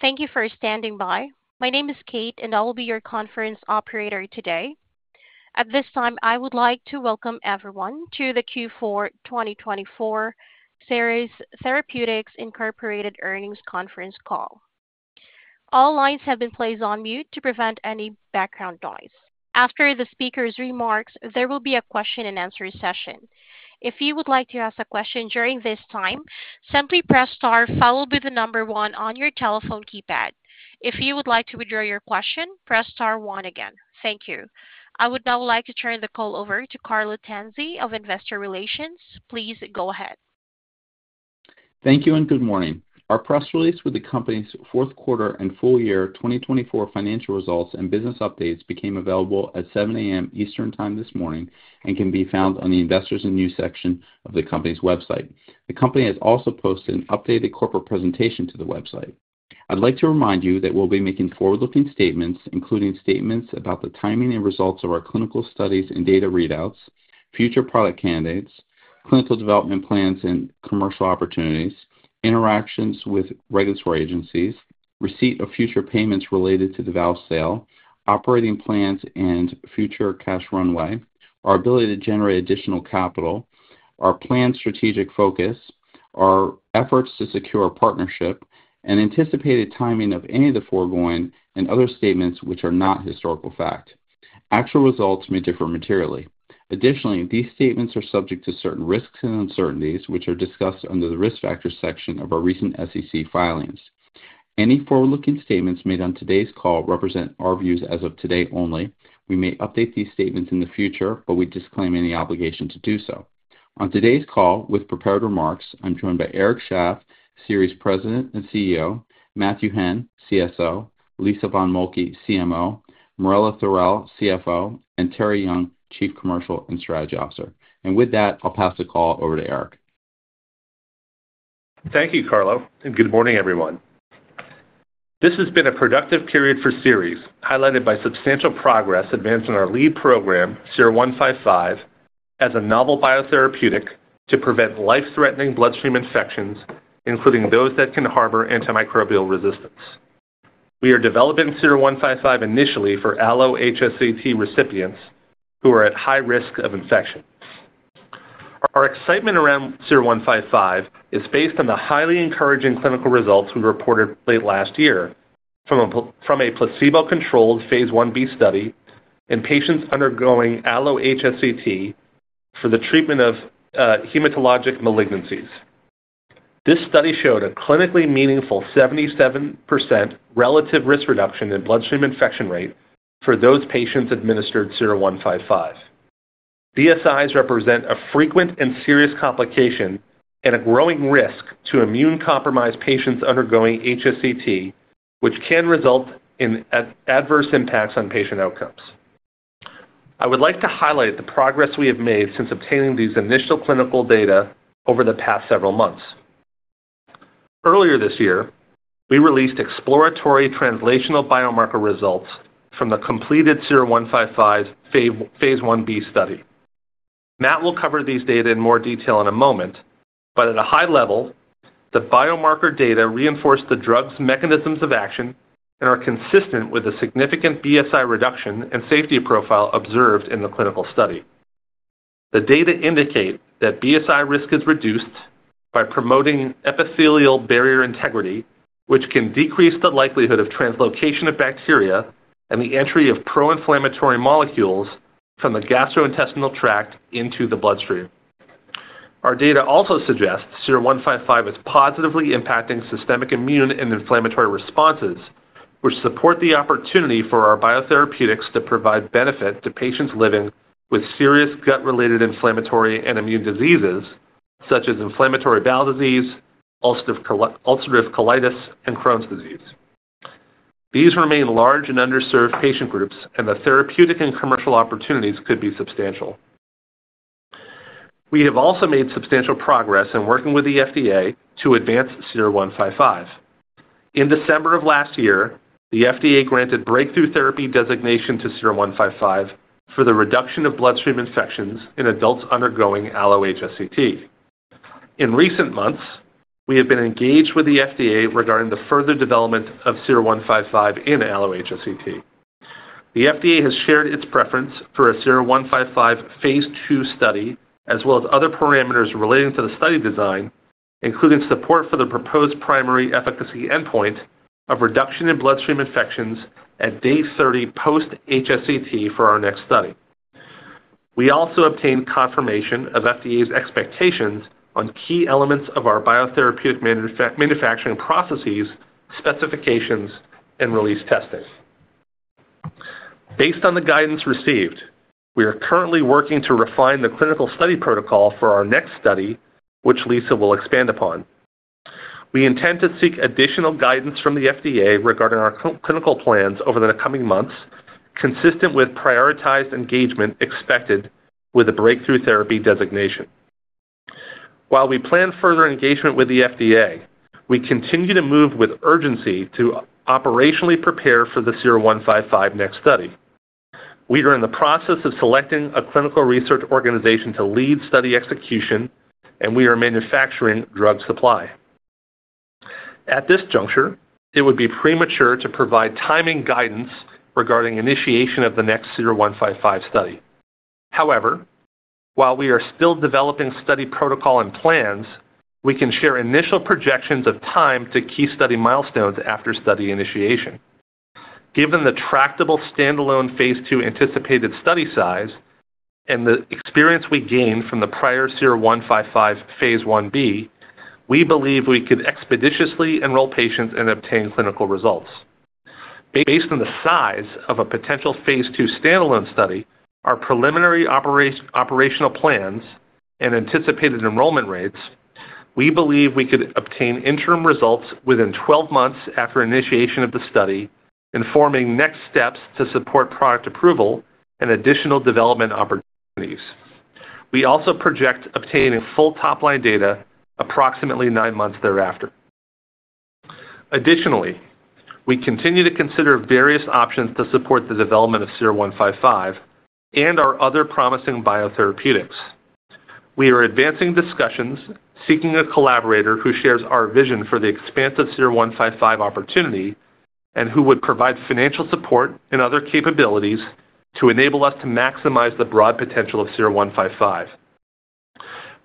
Thank you for standing by. My name is Kate, and I will be your conference operator today. At this time, I would like to welcome everyone to the Q4 2024 Seres Therapeutics Incorporated conference call. All lines have been placed on mute to prevent any background noise. After the speaker's remarks, there will be a question-and-answer session. If you would like to ask a question during this time, simply press star, followed by the number one on your telephone keypad. If you would like to withdraw your question, press star one again. Thank you. I would now like to turn the call over to Carlo Tanzi of Investor Relations. Please go ahead. Thank you and good morning. Our press release with the company's fourth quarter and full year 2024 financial results and business updates became available at 7:00 A.M. Eastern Time this morning and can be found on the Investors and News section of the company's website. The company has also posted an updated corporate presentation to the website. I'd like to remind you that we'll be making forward-looking statements, including statements about the timing and results of our clinical studies and data readouts, future product candidates, clinical development plans and commercial opportunities, interactions with regulatory agencies, receipt of future payments related to the VOWST sale, operating plans and future cash runway, our ability to generate additional capital, our planned strategic focus, our efforts to secure a partnership, and anticipated timing of any of the foregoing and other statements which are not historical fact. Actual results may differ materially. Additionally, these statements are subject to certain risks and uncertainties which are discussed under the risk factors section of our recent SEC filings. Any forward-looking statements made on today's call represent our views as of today only. We may update these statements in the future, but we disclaim any obligation to do so. On today's call, with prepared remarks, I'm joined by Eric Shaff, Seres President and CEO, Matthew Henn, CSO, Lisa von Moltke, CMO, Marella Thorell, CFO, and Terri Young, Chief Commercial and Strategy Officer. With that, I'll pass the call over to Eric. Thank you, Carlo. Good morning, everyone. This has been a productive period for Seres, highlighted by substantial progress advancing our lead program, SER-155, as a novel biotherapeutic to prevent life-threatening bloodstream infections, including those that can harbor antimicrobial resistance. We are developing SER-155 initially for allo-HSCT recipients who are at high risk of infection. Our excitement around SER-155 is based on the highly encouraging clinical results we reported late last year from a placebo-controlled phase I-B study in patients undergoing allo-HSCT for the treatment of hematologic malignancies. This study showed a clinically meaningful 77% relative risk reduction in bloodstream infection rate for those patients administered SER-155. BSIs represent a frequent and serious complication and a growing risk to immune-compromised patients undergoing HSCT, which can result in adverse impacts on patient outcomes. I would like to highlight the progress we have made since obtaining these initial clinical data over the past several months. Earlier this year, we released exploratory translational biomarker results from the completed SER-155 Phase I-B study. Matt will cover these data in more detail in a moment, but at a high level, the biomarker data reinforce the drug's mechanisms of action and are consistent with a significant BSI reduction and safety profile observed in the clinical study. The data indicate that BSI risk is reduced by promoting epithelial barrier integrity, which can decrease the likelihood of translocation of bacteria and the entry of pro-inflammatory molecules from the gastrointestinal tract into the bloodstream. Our data also suggests SER-155 is positively impacting systemic immune and inflammatory responses, which support the opportunity for our biotherapeutics to provide benefit to patients living with serious gut-related inflammatory and immune diseases, such as inflammatory bowel disease, ulcerative colitis, and Crohn's disease. These remain large and underserved patient groups, and the therapeutic and commercial opportunities could be substantial. We have also made substantial progress in working with the FDA to advance SER-155. In December of last year, the FDA granted breakthrough therapy designation to SER-155 for the reduction of bloodstream infections in adults undergoing allo-HSCT. In recent months, we have been engaged with the FDA regarding the further development of SER-155 in allo-HSCT. The FDA has shared its preference for a SER-155 Phase II study, as well as other parameters relating to the study design, including support for the proposed primary efficacy endpoint of reduction in bloodstream infections at day 30 post-HSCT for our next study. We also obtained confirmation of FDA's expectations on key elements of our biotherapeutic manufacturing processes, specifications, and release testing. Based on the guidance received, we are currently working to refine the clinical study protocol for our next study, which Lisa will expand upon. We intend to seek additional guidance from the FDA regarding our clinical plans over the coming months, consistent with prioritized engagement expected with a breakthrough therapy designation. While we plan further engagement with the FDA, we continue to move with urgency to operationally prepare for the SER-155 next study. We are in the process of selecting a clinical research organization to lead study execution, and we are manufacturing drug supply. At this juncture, it would be premature to provide timing guidance regarding initiation of the next SER-155 study. However, while we are still developing study protocol and plans, we can share initial projections of time to key study milestones after study initiation. Given the tractable standalone phase II anticipated study size and the experience we gained from the prior SER-155 Phase I-B, we believe we could expeditiously enroll patients and obtain clinical results. Based on the size of a potential phase II standalone study, our preliminary operational plans, and anticipated enrollment rates, we believe we could obtain interim results within 12 months after initiation of the study, informing next steps to support product approval and additional development opportunities. We also project obtaining full top-line data approximately nine months thereafter. Additionally, we continue to consider various options to support the development of SER-155 and our other promising biotherapeutics. We are advancing discussions, seeking a collaborator who shares our vision for the expansive SER-155 opportunity and who would provide financial support and other capabilities to enable us to maximize the broad potential of SER-155.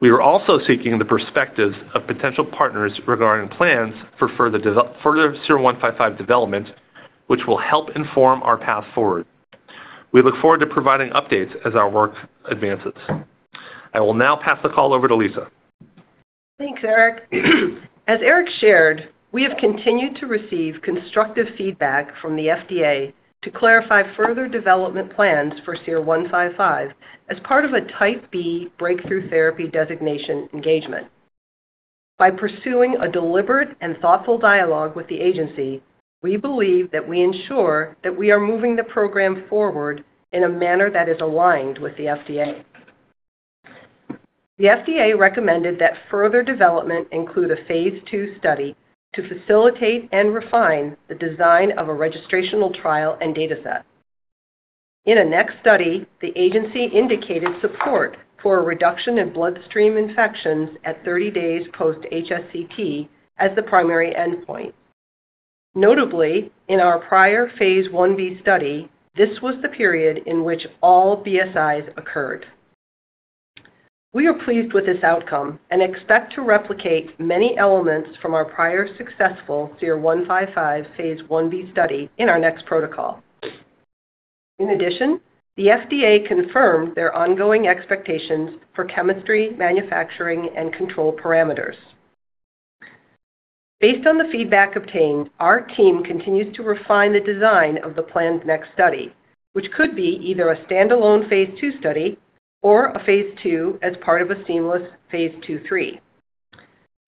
We are also seeking the perspectives of potential partners regarding plans for further SER-155 development, which will help inform our path forward. We look forward to providing updates as our work advances. I will now pass the call over to Lisa. Thanks, Eric. As Eric shared, we have continued to receive constructive feedback from the FDA to clarify further development plans for SER-155 as part of a Type B breakthrough therapy designation engagement. By pursuing a deliberate and thoughtful dialogue with the agency, we believe that we ensure that we are moving the program forward in a manner that is aligned with the FDA. The FDA recommended that further development include a phase II study to facilitate and refine the design of a registrational trial and dataset. In a next study, the agency indicated support for a reduction in bloodstream infections at 30 days post-HSCT as the primary endpoint. Notably, in our prior Phase I-B study, this was the period in which all BSIs occurred. We are pleased with this outcome and expect to replicate many elements from our prior successful SER-155 Phase I-B study in our next protocol. In addition, the FDA confirmed their ongoing expectations for chemistry, manufacturing, and control parameters. Based on the feedback obtained, our team continues to refine the design of the planned next study, which could be either a standalone phase II study or a phase II as part of a seamless phase II/III.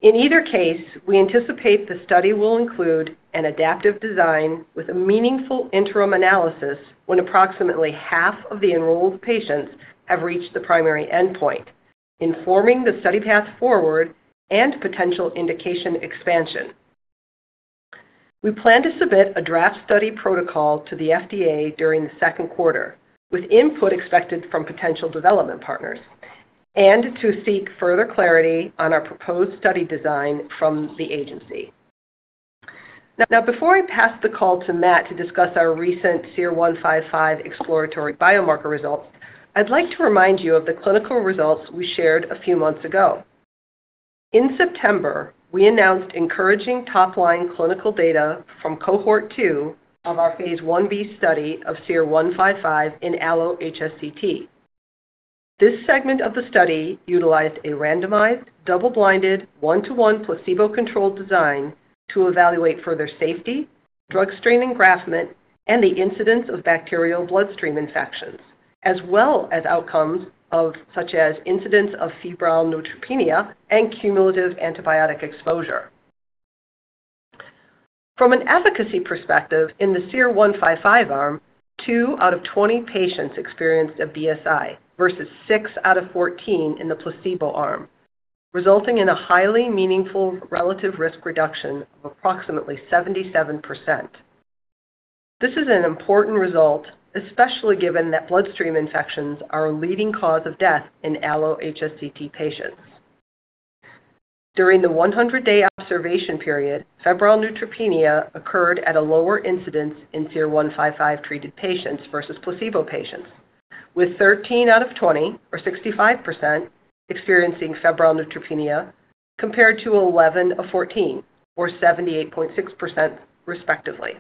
In either case, we anticipate the study will include an adaptive design with a meaningful interim analysis when approximately half of the enrolled patients have reached the primary endpoint, informing the study path forward and potential indication expansion. We plan to submit a draft study protocol to the FDA during the second quarter, with input expected from potential development partners, and to seek further clarity on our proposed study design from the agency. Now, before I pass the call to Matt to discuss our recent SER-155 exploratory biomarker results, I'd like to remind you of the clinical results we shared a few months ago. In September, we announced encouraging top-line clinical data from Cohort 2 of our Phase I-B study of SER-155 in allo-HSCT. This segment of the study utilized a randomized, double-blinded, one-to-one placebo-controlled design to evaluate further safety, drug strain and engraftment, and the incidence of bacterial bloodstream infections, as well as outcomes such as incidence of febrile neutropenia and cumulative antibiotic exposure. From an efficacy perspective, in the SER-155 arm, 2 out of 20 patients experienced a BSI versus six out of 14 in the placebo arm, resulting in a highly meaningful relative risk reduction of approximately 77%. This is an important result, especially given that bloodstream infections are a leading cause of death in allo-HSCT patients. During the 100-day observation period, febrile neutropenia occurred at a lower incidence in SER-155-treated patients versus placebo patients, with 13 out of 20, or 65%, experiencing febrile neutropenia compared to 11 of 14, or 78.6%, respectively.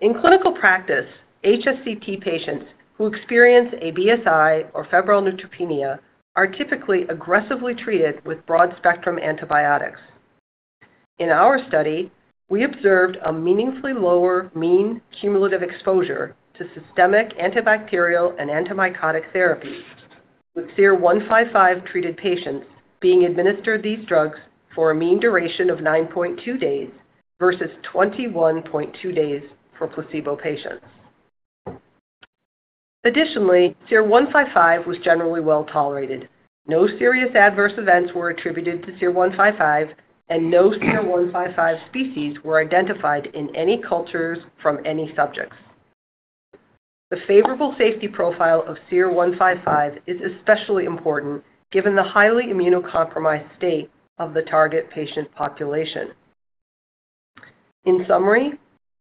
In clinical practice, HSCT patients who experience a BSI or febrile neutropenia are typically aggressively treated with broad-spectrum antibiotics. In our study, we observed a meaningfully lower mean cumulative exposure to systemic antibacterial and antimycotic therapies, with SER-155-treated patients being administered these drugs for a mean duration of 9.2 days versus 21.2 days for placebo patients. Additionally, SER-155 was generally well tolerated. No serious adverse events were attributed to SER-155, and no SER-155 species were identified in any cultures from any subjects. The favorable safety profile of SER-155 is especially important given the highly immunocompromised state of the target patient population. In summary,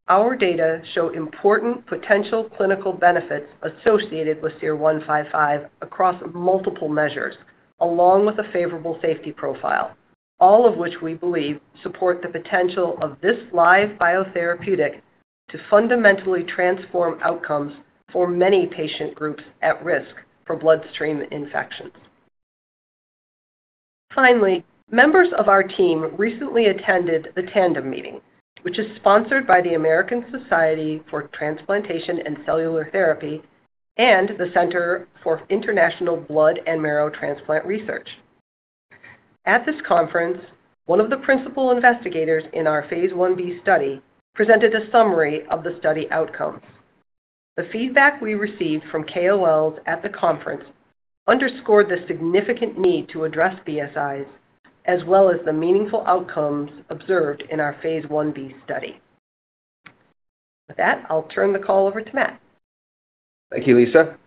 our data show important potential clinical benefits associated with SER-155 across multiple measures, along with a favorable safety profile, all of which we believe support the potential of this live biotherapeutic to fundamentally transform outcomes for many patient groups at risk for bloodstream infections. Finally, members of our team recently attended the Tandem Meeting, which is sponsored by the American Society for Transplantation and Cellular Therapy and the Center for International Blood and Marrow Transplant Research. At this conference, one of the principal investigators in our Phase I-B study presented a summary of the study outcomes. The feedback we received from KOLs at the conference underscored the significant need to address BSIs, as well as the meaningful outcomes observed in our Phase I-B study. With that, I'll turn the call over to Matt. Thank you, Lisa.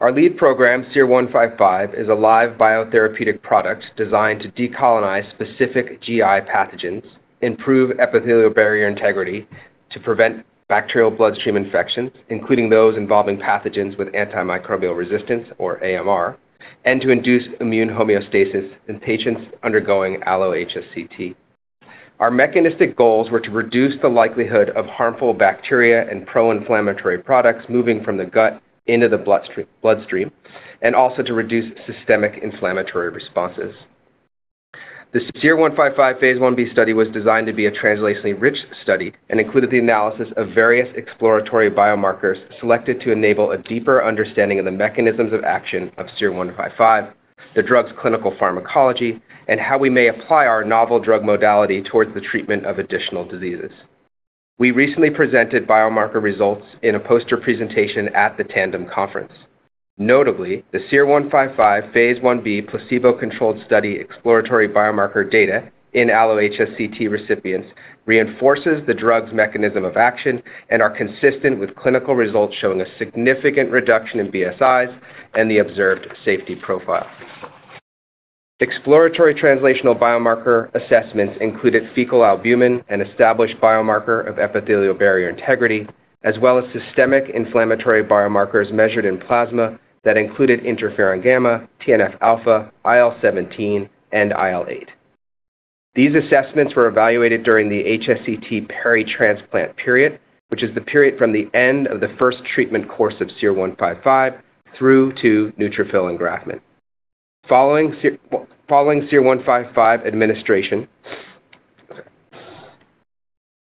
Our lead program, SER-155, is a live biotherapeutic product designed to decolonize specific GI pathogens, improve epithelial barrier integrity to prevent bacterial bloodstream infections, including those involving pathogens with antimicrobial resistance, or AMR, and to induce immune homeostasis in patients undergoing allo-HSCT. Our mechanistic goals were to reduce the likelihood of harmful bacteria and pro-inflammatory products moving from the gut into the bloodstream and also to reduce systemic inflammatory responses. The SER-155 Phase I-B study was designed to be a translationally rich study and included the analysis of various exploratory biomarkers selected to enable a deeper understanding of the mechanisms of action of SER-155, the drug's clinical pharmacology, and how we may apply our novel drug modality towards the treatment of additional diseases. We recently presented biomarker results in a poster presentation at the Tandem Conference. Notably, the SER-155 Phase I-B placebo-controlled study exploratory biomarker data in allo-HSCT recipients reinforces the drug's mechanism of action and are consistent with clinical results showing a significant reduction in BSIs and the observed safety profile. Exploratory translational biomarker assessments included fecal albumin, an established biomarker of epithelial barrier integrity, as well as systemic inflammatory biomarkers measured in plasma that included interferon gamma, TNF-alpha, IL-17, and IL-8. These assessments were evaluated during the HSCT peri-transplant period, which is the period from the end of the first treatment course of SER-155 through to neutrophil engraftment. Following SER-155 administration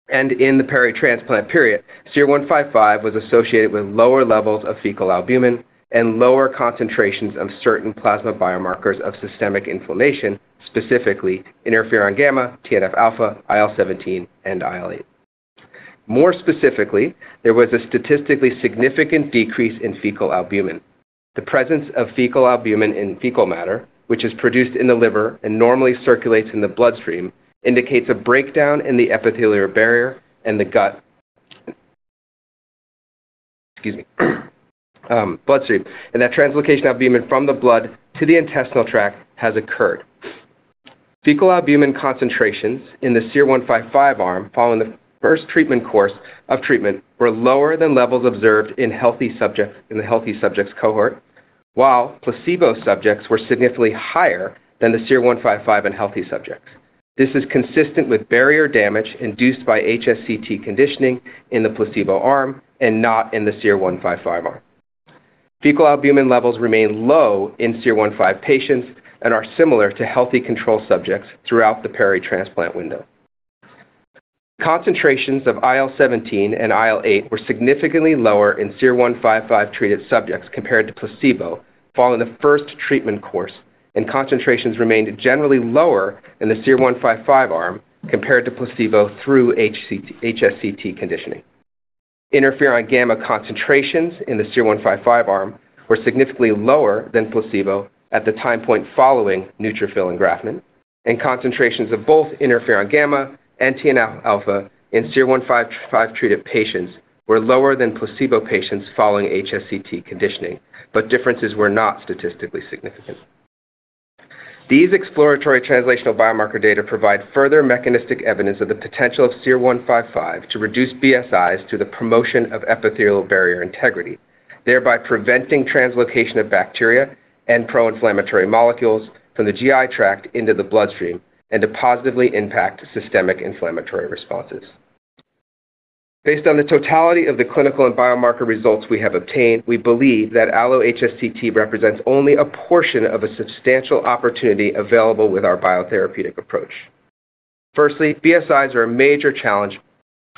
and in the peri-transplant period, SER-155 was associated with lower levels of fecal albumin and lower concentrations of certain plasma biomarkers of systemic inflammation, specifically interferon gamma, TNF-alpha, IL-17, and IL-8. More specifically, there was a statistically significant decrease in fecal albumin. The presence of fecal albumin in fecal matter, which is produced in the liver and normally circulates in the bloodstream, indicates a breakdown in the epithelial barrier and the gut bloodstream, and that translocation of albumin from the blood to the intestinal tract has occurred. Fecal albumin concentrations in the SER-155 arm following the first treatment course of treatment were lower than levels observed in healthy subjects in the healthy subjects cohort, while placebo subjects were significantly higher than the SER-155 in healthy subjects. This is consistent with barrier damage induced by HSCT conditioning in the placebo arm and not in the SER-155 arm. Fecal albumin levels remain low in SER-155 patients and are similar to healthy control subjects throughout the peri-transplant window. Concentrations of IL-17 and IL-8 were significantly lower in SER-155-treated subjects compared to placebo following the first treatment course, and concentrations remained generally lower in the SER-155 arm compared to placebo through HSCT conditioning. Interferon gamma concentrations in the SER-155 arm were significantly lower than placebo at the time point following neutrophil engraftment, and concentrations of both interferon gamma and TNF-alpha in SER-155-treated patients were lower than placebo patients following allo-HSCT conditioning, but differences were not statistically significant. These exploratory translational biomarker data provide further mechanistic evidence of the potential of SER-155 to reduce BSIs through the promotion of epithelial barrier integrity, thereby preventing translocation of bacteria and pro-inflammatory molecules from the GI tract into the bloodstream and to positively impact systemic inflammatory responses. Based on the totality of the clinical and biomarker results we have obtained, we believe that allo-HSCT represents only a portion of a substantial opportunity available with our biotherapeutic approach. Firstly, BSIs are a major challenge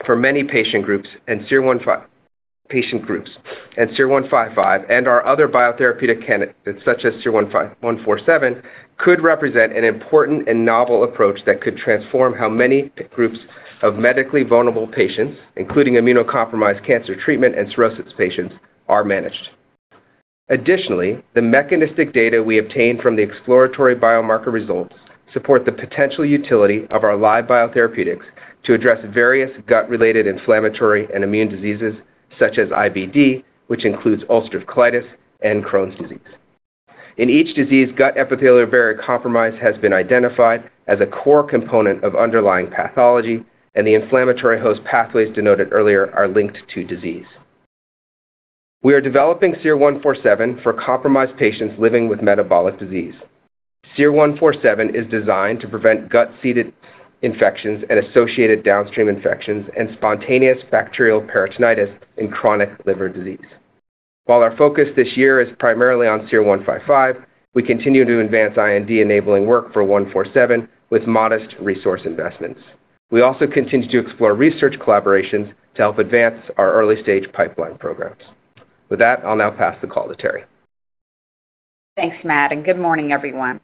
for many patient groups, and SER-155 and our other biotherapeutic candidates, such as SER-147, could represent an important and novel approach that could transform how many groups of medically vulnerable patients, including immunocompromised cancer treatment and cirrhosis patients, are managed. Additionally, the mechanistic data we obtained from the exploratory biomarker results support the potential utility of our live biotherapeutics to address various gut-related inflammatory and immune diseases, such as IBD, which includes ulcerative colitis and Crohn's disease. In each disease, gut epithelial barrier compromise has been identified as a core component of underlying pathology, and the inflammatory host pathways denoted earlier are linked to disease. We are developing SER-147 for compromised patients living with metabolic disease. SER-147 is designed to prevent gut-seated infections and associated downstream infections and spontaneous bacterial peritonitis in chronic liver disease. While our focus this year is primarily on SER-155, we continue to advance IND-enabling work for 147 with modest resource investments. We also continue to explore research collaborations to help advance our early-stage pipeline programs. With that, I'll now pass the call to Terri. Thanks, Matt, and good morning, everyone.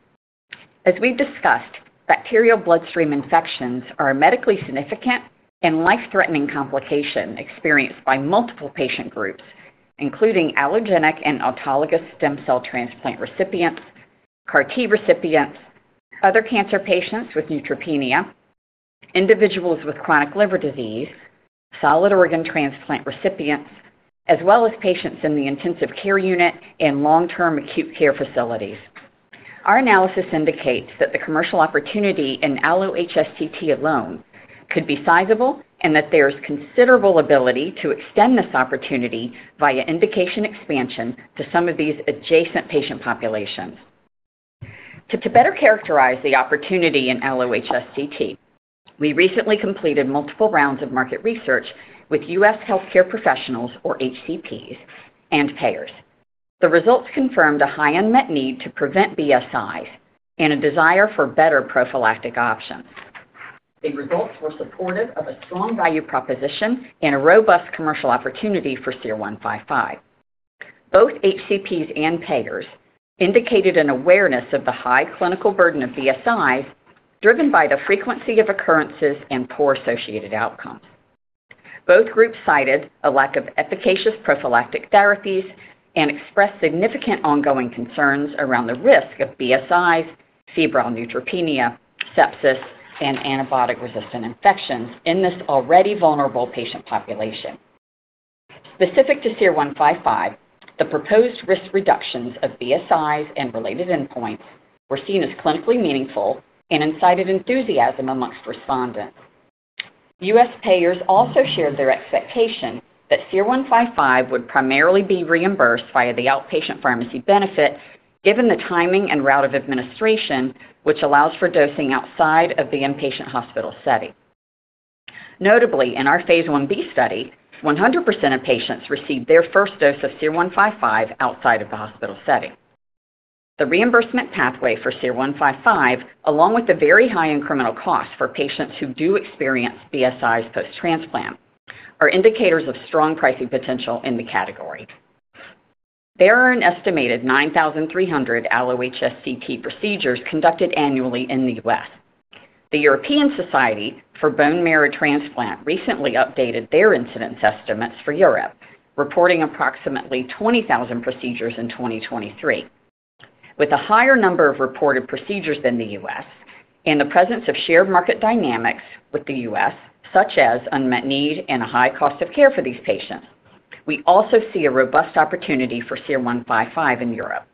As we've discussed, bacterial bloodstream infections are a medically significant and life-threatening complication experienced by multiple patient groups, including allogeneic and autologous stem cell transplant recipients, CAR-T recipients, other cancer patients with neutropenia, individuals with chronic liver disease, solid organ transplant recipients, as well as patients in the intensive care unit and long-term acute care facilities. Our analysis indicates that the commercial opportunity in allo-HSCT alone could be sizable and that there is considerable ability to extend this opportunity via indication expansion to some of these adjacent patient populations. To better characterize the opportunity in allo-HSCT, we recently completed multiple rounds of market research with U.S. healthcare professionals, or HCPs, and payers. The results confirmed a high unmet need to prevent BSIs and a desire for better prophylactic options. The results were supportive of a strong value proposition and a robust commercial opportunity for SER-155. Both HCPs and payers indicated an awareness of the high clinical burden of BSIs driven by the frequency of occurrences and poor associated outcomes. Both groups cited a lack of efficacious prophylactic therapies and expressed significant ongoing concerns around the risk of BSIs, febrile neutropenia, sepsis, and antibiotic-resistant infections in this already vulnerable patient population. Specific to SER-155, the proposed risk reductions of BSIs and related endpoints were seen as clinically meaningful and incited enthusiasm amongst respondents. U.S. payers also shared their expectation that SER-155 would primarily be reimbursed via the outpatient pharmacy benefit, given the timing and route of administration, which allows for dosing outside of the inpatient hospital setting. Notably, in our Phase I-B study, 100% of patients received their first dose of SER-155 outside of the hospital setting. The reimbursement pathway for SER-155, along with the very high incremental costs for patients who do experience BSIs post-transplant, are indicators of strong pricing potential in the category. There are an estimated 9,300 allo-HSCT procedures conducted annually in the U.S. The European Society for Bone Marrow Transplant recently updated their incidence estimates for Europe, reporting approximately 20,000 procedures in 2023. With a higher number of reported procedures than the U.S. and the presence of shared market dynamics with the U.S., such as unmet need and a high cost of care for these patients, we also see a robust opportunity for SER-155 in Europe.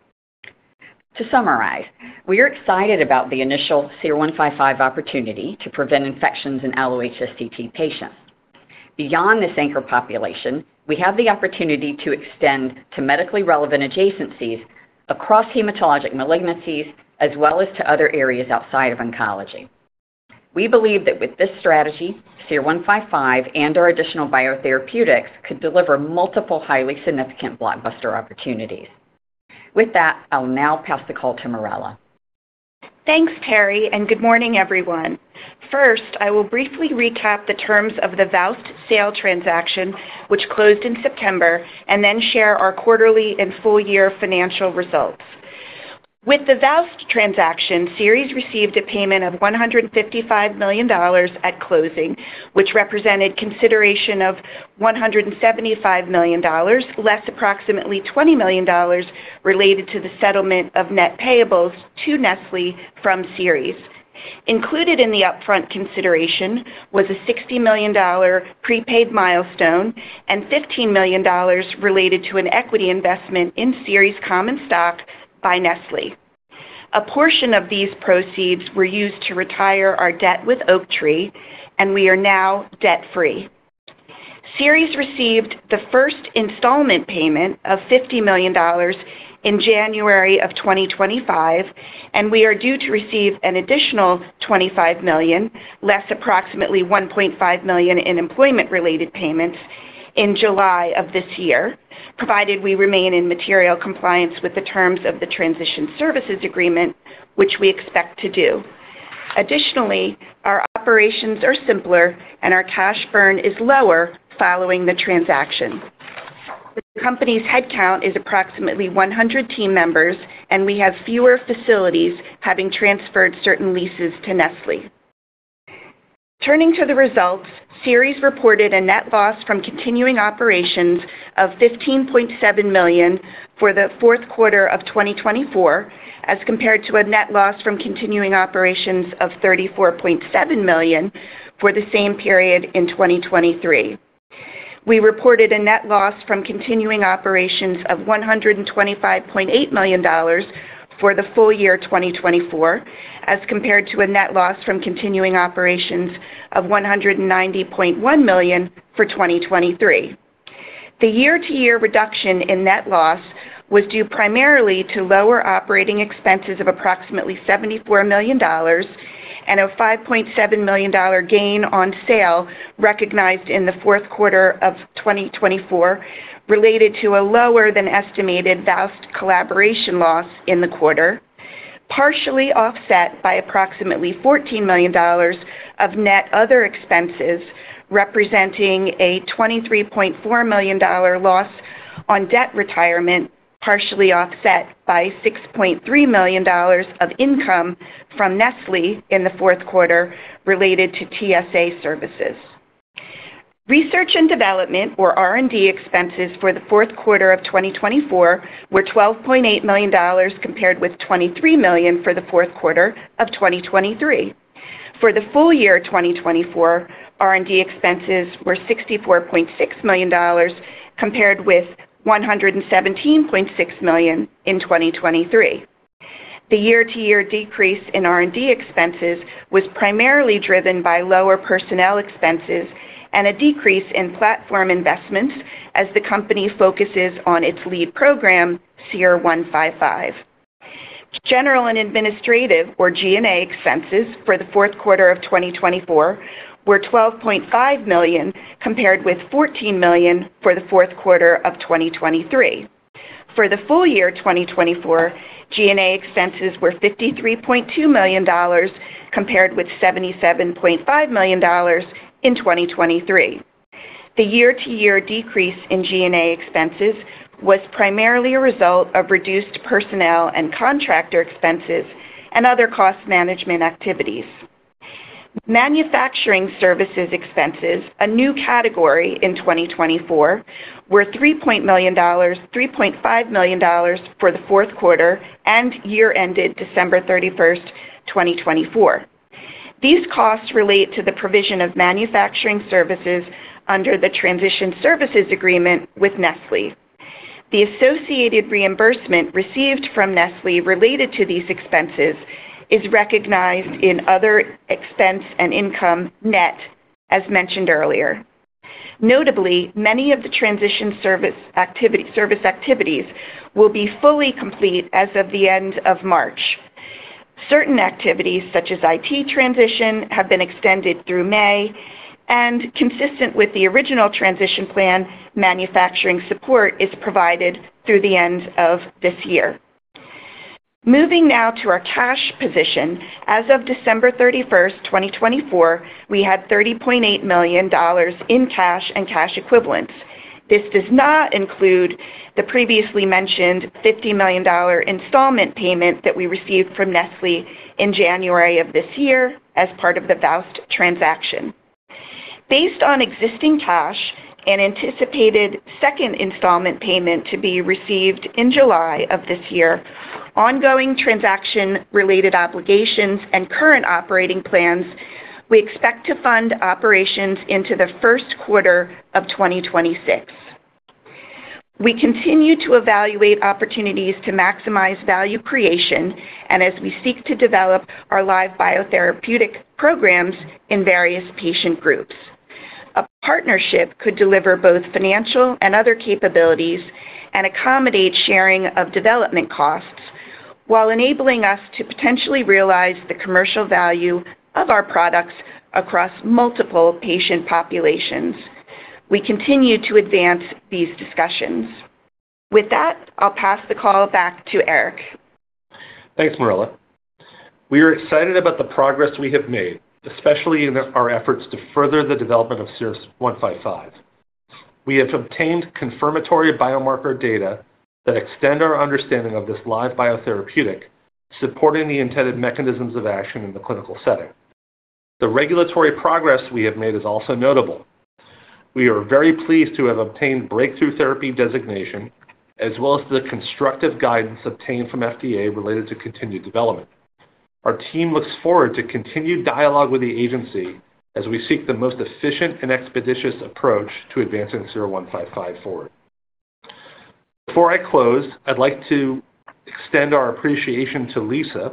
To summarize, we are excited about the initial SER-155 opportunity to prevent infections in allo-HSCT patients. Beyond this anchor population, we have the opportunity to extend to medically relevant adjacencies across hematologic malignancies, as well as to other areas outside of oncology. We believe that with this strategy, SER-155 and our additional biotherapeutics could deliver multiple highly significant blockbuster opportunities. With that, I'll now pass the call to Marella. Thanks, Terri, and good morning, everyone. First, I will briefly recap the terms of the VOWST sale transaction, which closed in September, and then share our quarterly and full-year financial results. With the VOWST transaction, Seres received a payment of $155 million at closing, which represented consideration of $175 million, less approximately $20 million related to the settlement of net payables to Nestlé from Seres. Included in the upfront consideration was a $60 million prepaid milestone and $15 million related to an equity investment in Seres Common Stock by Nestlé. A portion of these proceeds were used to retire our debt with Oaktree, and we are now debt-free. Seres received the first installment payment of $50 million in January of 2025, and we are due to receive an additional $25 million, less approximately $1.5 million in employment-related payments, in July of this year, provided we remain in material compliance with the terms of the transition services agreement, which we expect to do. Additionally, our operations are simpler, and our cash burn is lower following the transaction. The company's headcount is approximately 100 team members, and we have fewer facilities having transferred certain leases to Nestlé. Turning to the results, Seres reported a net loss from continuing operations of $15.7 million for the fourth quarter of 2024, as compared to a net loss from continuing operations of $34.7 million for the same period in 2023. We reported a net loss from continuing operations of $125.8 million for the full year 2024, as compared to a net loss from continuing operations of $190.1 million for 2023. The year-to-year reduction in net loss was due primarily to lower operating expenses of approximately $74 million and a $5.7 million gain on sale recognized in the fourth quarter of 2024, related to a lower-than-estimated VOWST collaboration loss in the quarter, partially offset by approximately $14 million of net other expenses, representing a $23.4 million loss on debt retirement, partially offset by $6.3 million of income from Nestlé in the fourth quarter related to TSA services. Research and Development, or R&D, expenses for the fourth quarter of 2024 were $12.8 million compared with $23 million for the fourth quarter of 2023. For the full year 2024, R&D expenses were $64.6 million compared with $117.6 million in 2023. The year-to-year decrease in R&D expenses was primarily driven by lower personnel expenses and a decrease in platform investments as the company focuses on its lead program, SER-155. General and Administrative, or G&A, expenses for the fourth quarter of 2024 were $12.5 million compared with $14 million for the fourth quarter of 2023. For the full year 2024, G&A expenses were $53.2 million compared with $77.5 million in 2023. The year-to-year decrease in G&A expenses was primarily a result of reduced personnel and contractor expenses and other cost management activities. Manufacturing services expenses, a new category in 2024, were $3.5 million for the fourth quarter and year-ended December 31st, 2024. These costs relate to the provision of manufacturing services under the transition services agreement with Nestlé. The associated reimbursement received from Nestlé related to these expenses is recognized in other expense and income net, as mentioned earlier. Notably, many of the transition service activities will be fully complete as of the end of March. Certain activities, such as IT transition, have been extended through May, and consistent with the original transition plan, manufacturing support is provided through the end of this year. Moving now to our cash position, as of December 31st, 2024, we had $30.8 million in cash and cash equivalents. This does not include the previously mentioned $50 million installment payment that we received from Nestlé in January of this year as part of the VOWST transaction. Based on existing cash and anticipated second installment payment to be received in July of this year, ongoing transaction-related obligations and current operating plans, we expect to fund operations into the first quarter of 2026. We continue to evaluate opportunities to maximize value creation and as we seek to develop our live biotherapeutic programs in various patient groups. A partnership could deliver both financial and other capabilities and accommodate sharing of development costs while enabling us to potentially realize the commercial value of our products across multiple patient populations. We continue to advance these discussions. With that, I'll pass the call back to Eric. Thanks, Marella. We are excited about the progress we have made, especially in our efforts to further the development of SER-155. We have obtained confirmatory biomarker data that extend our understanding of this live biotherapeutic, supporting the intended mechanisms of action in the clinical setting. The regulatory progress we have made is also notable. We are very pleased to have obtained breakthrough therapy designation, as well as the constructive guidance obtained from FDA related to continued development. Our team looks forward to continued dialogue with the agency as we seek the most efficient and expeditious approach to advancing SER-155 forward. Before I close, I'd like to extend our appreciation to Lisa,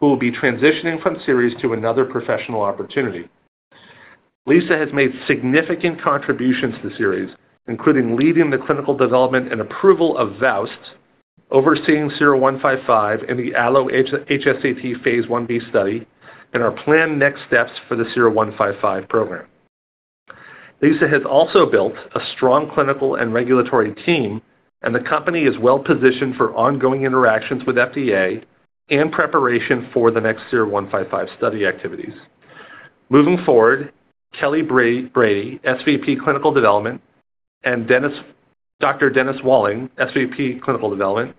who will be transitioning from Seres to another professional opportunity. Lisa has made significant contributions to Seres, including leading the clinical development and approval of VOWST, overseeing SER-155 in the allo-HSCT Phase I-B study, and our planned next steps for the SER-155 program. Lisa has also built a strong clinical and regulatory team, and the company is well-positioned for ongoing interactions with FDA and preparation for the next SER-155 study activities. Moving forward, Kelly Brady, SVP Clinical Development, and Dr. Dennis Walling, SVP Clinical Development,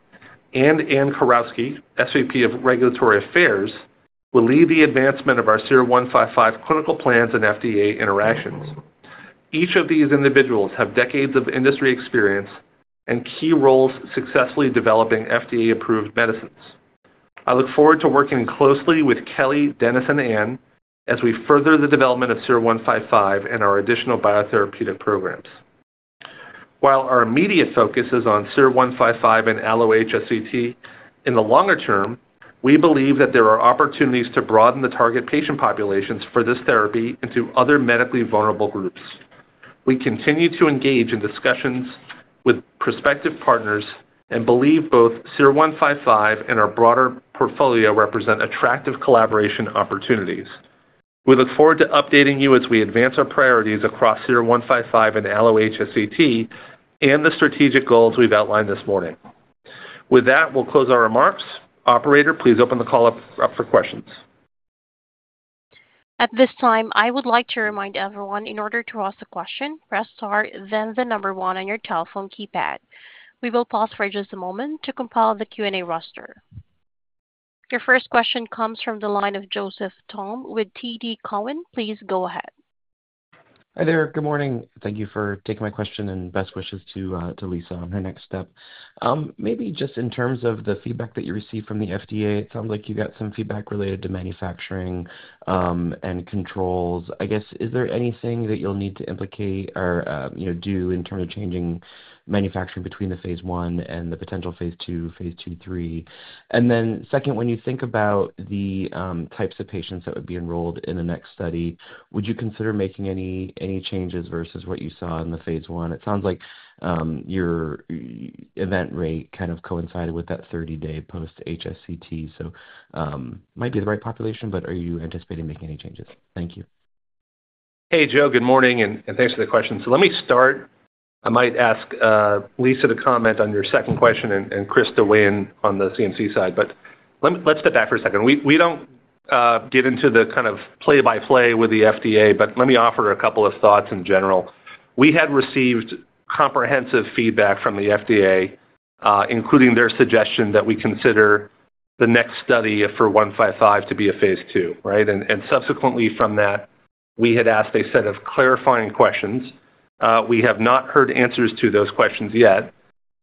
and Ann Kurowski, SVP of Regulatory Affairs, will lead the advancement of our SER-155 clinical plans and FDA interactions. Each of these individuals have decades of industry experience and key roles successfully developing FDA-approved medicines. I look forward to working closely with Kelly, Dennis, and Ann as we further the development of SER-155 and our additional biotherapeutic programs. While our immediate focus is on SER-155 and allo-HSCT, in the longer term, we believe that there are opportunities to broaden the target patient populations for this therapy into other medically vulnerable groups. We continue to engage in discussions with prospective partners and believe both SER-155 and our broader portfolio represent attractive collaboration opportunities. We look forward to updating you as we advance our priorities across SER-155 and allo-HSCT and the strategic goals we've outlined this morning. With that, we'll close our remarks. Operator, please open the call up for questions. At this time, I would like to remind everyone in order to ask a question, press star, then the number one on your telephone keypad. We will pause for just a moment to compile the Q&A roster. Your first question comes from the line of Joseph Thome with TD Cowen. Please go ahead. Hi there. Good morning. Thank you for taking my question and best wishes to Lisa on her next step. Maybe just in terms of the feedback that you received from the FDA, it sounds like you got some feedback related to manufacturing and controls. I guess, is there anything that you'll need to implicate or do in terms of changing manufacturing between the Phase I and the potential Phase II, Phase II/III? And then second, when you think about the types of patients that would be enrolled in the next study, would you consider making any changes versus what you saw in the Phase I? It sounds like your event rate kind of coincided with that 30-day post-HSCT, so it might be the right population, but are you anticipating making any changes? Thank you. Hey, Joe. Good morning, and thanks for the question. Let me start. I might ask Lisa to comment on your second question and Chris to weigh in on the CMC side, but let's step back for a second. We do not get into the kind of play-by-play with the FDA, but let me offer a couple of thoughts in general. We had received comprehensive feedback from the FDA, including their suggestion that we consider the next study for 155 to be a phase II, right? Subsequently from that, we had asked a set of clarifying questions. We have not heard answers to those questions yet,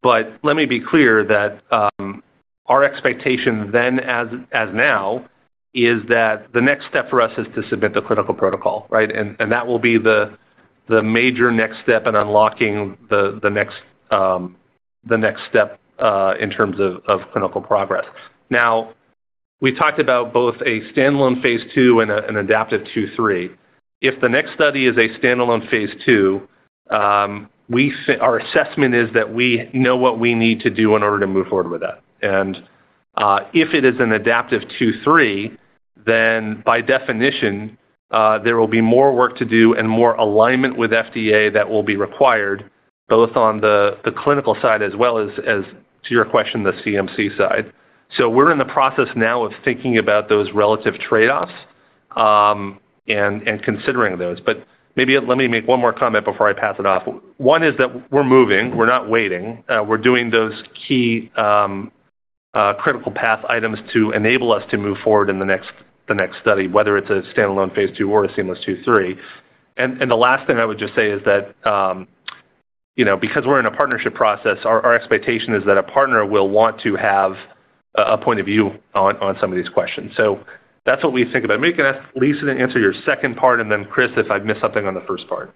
but let me be clear that our expectation then as now is that the next step for us is to submit the clinical protocol, right? That will be the major next step in unlocking the next step in terms of clinical progress. Now, we talked about both a standalone phase II and an adaptive phase II/III. If the next study is a standalone phase II, our assessment is that we know what we need to do in order to move forward with that. If it is an adaptive phase II/III, then by definition, there will be more work to do and more alignment with FDA that will be required both on the clinical side as well as, to your question, the CMC side. We are in the process now of thinking about those relative trade-offs and considering those. Maybe let me make one more comment before I pass it off. One is that we are moving. We are not waiting. We are doing those key critical path items to enable us to move forward in the next study, whether it is a standalone phase II or a seamless phase II/III. The last thing I would just say is that because we're in a partnership process, our expectation is that a partner will want to have a point of view on some of these questions. That is what we think about. Maybe you can ask Lisa to answer your second part, and then Chris, if I missed something on the first part.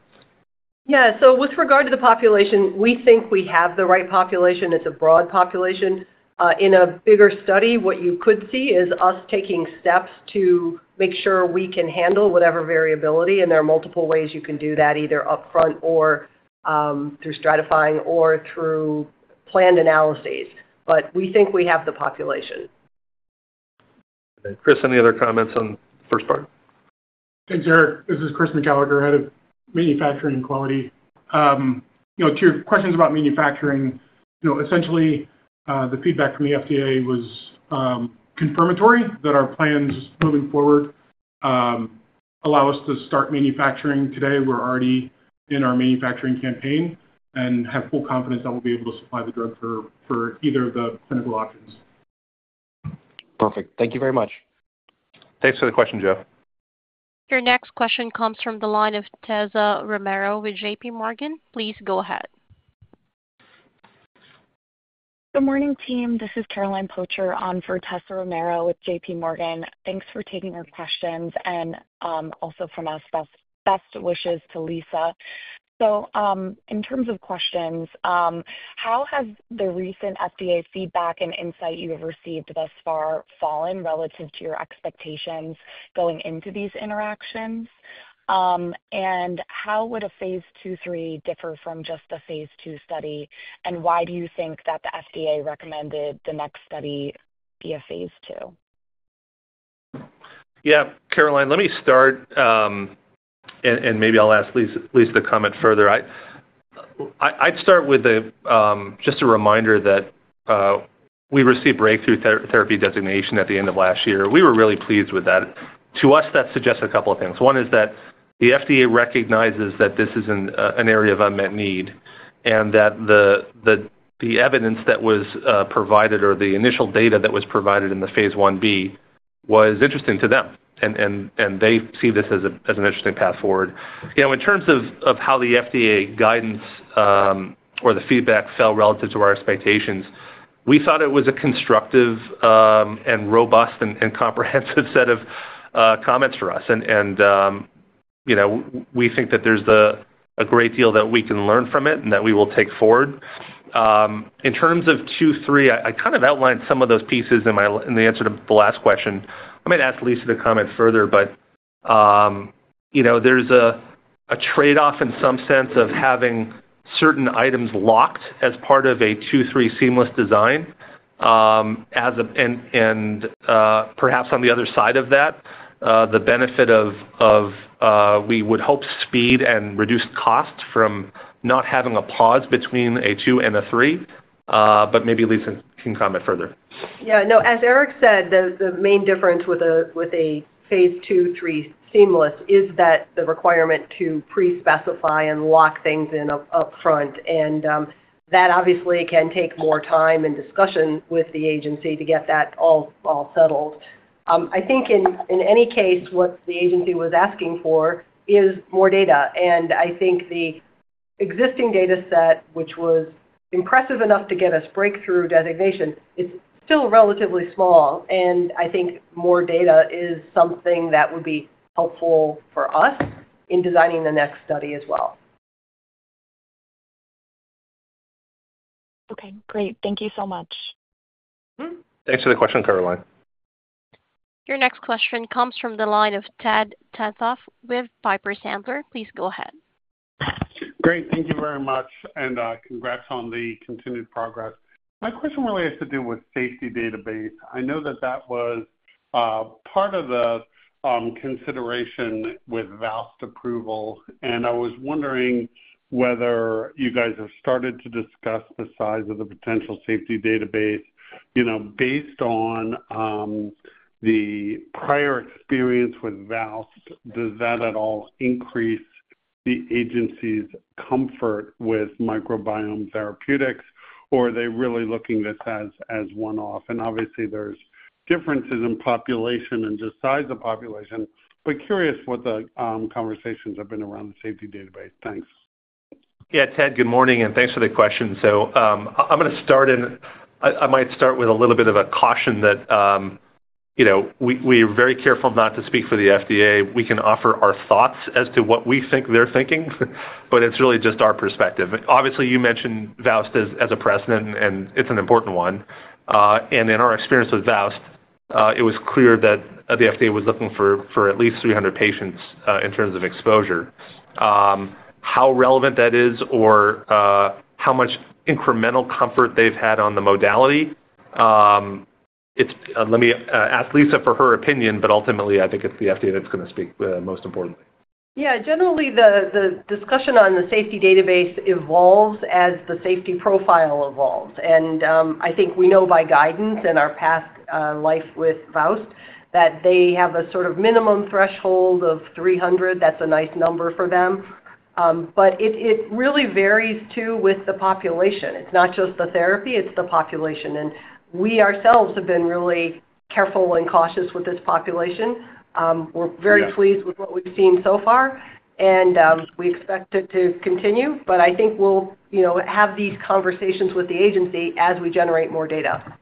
Yeah. With regard to the population, we think we have the right population. It's a broad population. In a bigger study, what you could see is us taking steps to make sure we can handle whatever variability, and there are multiple ways you can do that, either upfront or through stratifying or through planned analyses. We think we have the population. Chris, any other comments on the first part? Thanks, Eric. This is Chris McChalicher, Head of Manufacturing and Quality. To your questions about manufacturing, essentially the feedback from the FDA was confirmatory that our plans moving forward allow us to start manufacturing today. We're already in our manufacturing campaign and have full confidence that we'll be able to supply the drug for either of the clinical options. Perfect. Thank you very much. Thanks for the question, Joe. Your next question comes from the line of Tessa Romero with JPMorgan. Please go ahead. Good morning, team. This is Caroline Pötsch on for Tessa Romero with JPMorgan. Thanks for taking our questions and also from us, best wishes to Lisa. In terms of questions, how has the recent FDA feedback and insight you have received thus far fallen relative to your expectations going into these interactions? How would a phase II/III differ from just the phase II study? Why do you think that the FDA recommended the next study be a phase II? Yeah. Caroline, let me start, and maybe I'll ask Lisa to comment further. I'd start with just a reminder that we received breakthrough therapy designation at the end of last year. We were really pleased with that. To us, that suggests a couple of things. One is that the FDA recognizes that this is an area of unmet need and that the evidence that was provided or the initial data that was provided in the Phase I-B was interesting to them, and they see this as an interesting path forward. In terms of how the FDA guidance or the feedback fell relative to our expectations, we thought it was a constructive and robust and comprehensive set of comments for us. We think that there's a great deal that we can learn from it and that we will take forward. In terms of phase II/III, I kind of outlined some of those pieces in the answer to the last question. I might ask Lisa to comment further, but there's a trade-off in some sense of having certain items locked as part of a phase II/III seamless design. Perhaps on the other side of that, the benefit of we would hope speed and reduce costs from not having a pause between a phase II and a phase III. Maybe Lisa can comment further. Yeah. No, as Eric said, the main difference with a phase II/III seamless is that the requirement to pre-specify and lock things in upfront, and that obviously can take more time and discussion with the agency to get that all settled. I think in any case, what the agency was asking for is more data. I think the existing data set, which was impressive enough to get us breakthrough designation, is still relatively small. I think more data is something that would be helpful for us in designing the next study as well. Okay. Great. Thank you so much. Thanks for the question, Caroline. Your next question comes from the line of Ted Tenthoff with Piper Sandler. Please go ahead. Great. Thank you very much, and congrats on the continued progress. My question really has to do with safety database. I know that that was part of the consideration with VOWST approval, and I was wondering whether you guys have started to discuss the size of the potential safety database based on the prior experience with VOWST. Does that at all increase the agency's comfort with microbiome therapeutics, or are they really looking at this as one-off? Obviously, there's differences in population and just size of population, but curious what the conversations have been around the safety database. Thanks. Yeah. Ted, good morning, and thanks for the question. I'm going to start in, I might start with a little bit of a caution that we are very careful not to speak for the FDA. We can offer our thoughts as to what we think they're thinking, but it's really just our perspective. Obviously, you mentioned VOWST as a precedent, and it's an important one. In our experience with VOWST, it was clear that the FDA was looking for at least 300 patients in terms of exposure. How relevant that is or how much incremental comfort they've had on the modality, let me ask Lisa for her opinion, but ultimately, I think it's the FDA that's going to speak most importantly. Yeah. Generally, the discussion on the safety database evolves as the safety profile evolves. I think we know by guidance and our past life with VOWST that they have a sort of minimum threshold of 300. That's a nice number for them. It really varies too with the population. It's not just the therapy. It's the population. We ourselves have been really careful and cautious with this population. We're very pleased with what we've seen so far, and we expect it to continue. I think we'll have these conversations with the agency as we generate more data.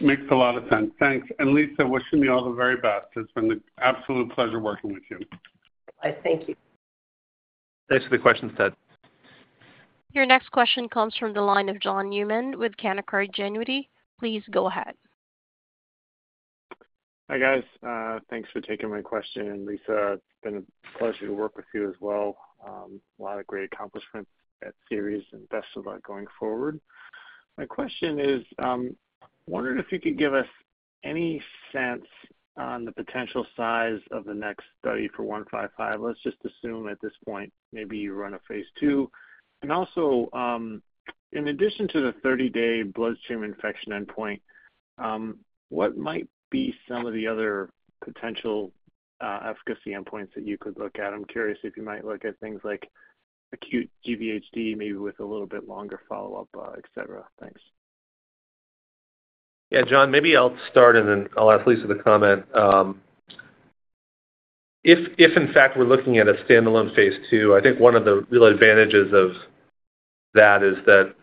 Makes a lot of sense. Thanks. Lisa, wishing you all the very best. It's been an absolute pleasure working with you. Thank you. Thanks for the question, Ted. Your next question comes from the line of John Newman with Canaccord Genuity. Please go ahead. Hi guys. Thanks for taking my question. Lisa, it's been a pleasure to work with you as well. A lot of great accomplishments at Seres and best of luck going forward. My question is, I wondered if you could give us any sense on the potential size of the next study for 155. Let's just assume at this point maybe you run a phase II. Also, in addition to the 30-day bloodstream infection endpoint, what might be some of the other potential efficacy endpoints that you could look at? I'm curious if you might look at things like acute GVHD, maybe with a little bit longer follow-up, etc. Thanks. Yeah. John, maybe I'll start, and then I'll ask Lisa to comment. If in fact we're looking at a standalone phase II, I think one of the real advantages of that is that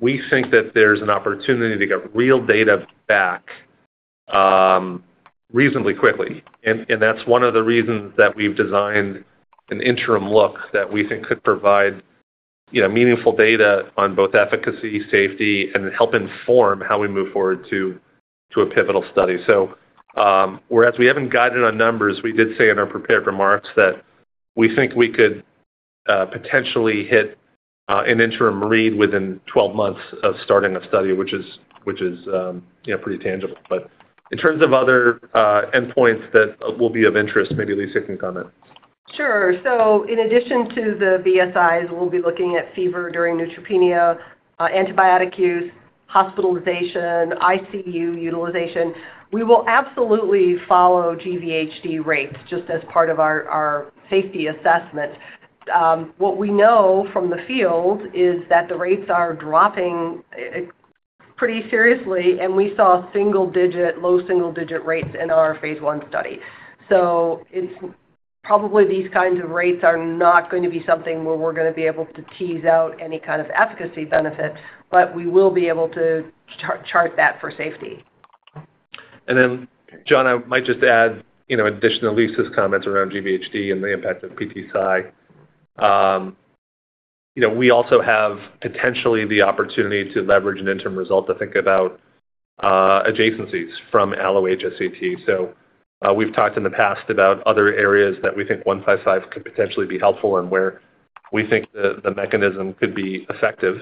we think that there's an opportunity to get real data back reasonably quickly. That is one of the reasons that we've designed an interim look that we think could provide meaningful data on both efficacy, safety, and help inform how we move forward to a pivotal study. Whereas we haven't guided on numbers, we did say in our prepared remarks that we think we could potentially hit an interim read within 12 months of starting a study, which is pretty tangible. In terms of other endpoints that will be of interest, maybe Lisa can comment. Sure. In addition to the BSIs, we'll be looking at fever during neutropenia, antibiotic use, hospitalization, ICU utilization. We will absolutely follow GVHD rates just as part of our safety assessment. What we know from the field is that the rates are dropping pretty seriously, and we saw single-digit, low single-digit rates in our Phase I study. Probably these kinds of rates are not going to be something where we're going to be able to tease out any kind of efficacy benefit, but we will be able to chart that for safety. John, I might just add in addition to Lisa's comments around GVHD and the impact of PTCy. We also have potentially the opportunity to leverage an interim result to think about adjacencies from allo-HSCT. We have talked in the past about other areas that we think 155 could potentially be helpful and where we think the mechanism could be effective.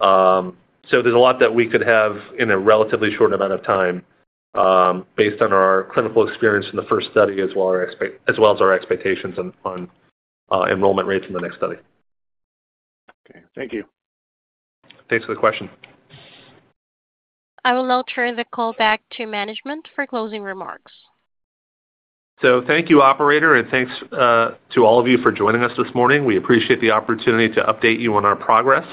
There is a lot that we could have in a relatively short amount of time based on our clinical experience in the first study as well as our expectations on enrollment rates in the next study. Okay. Thank you. Thanks for the question. I will now turn the call back to management for closing remarks. Thank you, operator, and thanks to all of you for joining us this morning. We appreciate the opportunity to update you on our progress.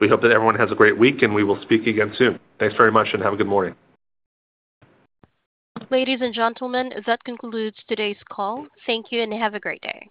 We hope that everyone has a great week, and we will speak again soon. Thanks very much, and have a good morning. Ladies and gentlemen, that concludes today's call. Thank you, and have a great day.